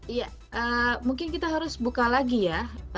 iya mungkin kita harus buka lagi ya